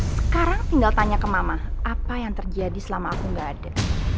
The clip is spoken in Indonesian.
sekarang tinggal tanya ke mama apa yang terjadi selama aku gak ada